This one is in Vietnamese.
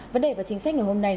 vấn đề và chính sách ngày hôm nay